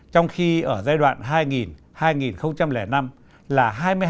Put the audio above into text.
trong khi ở giai đoạn hai nghìn hai nghìn năm là hai mươi hai hai